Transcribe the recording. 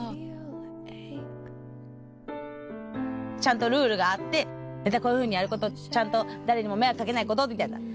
ちゃんとルールがあって「ネタこういうふうにやることちゃんと誰にも迷惑かけないこと」みたいな。